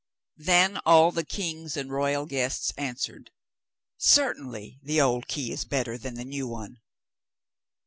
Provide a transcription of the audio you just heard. Then all the kings and royal guests answered: 'Certainly the old key is better than the new one.